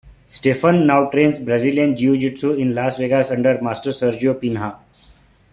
Stephan now trains Brazilian jiu-jitsu in Las Vegas under Master Sergio Penha.